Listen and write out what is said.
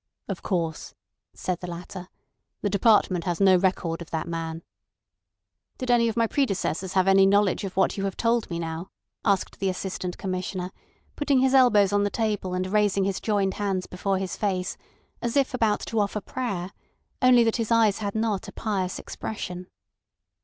"Of course," said the latter, "the department has no record of that man." "Did any of my predecessors have any knowledge of what you have told me now?" asked the Assistant Commissioner, putting his elbows on the table and raising his joined hands before his face, as if about to offer prayer, only that his eyes had not a pious expression.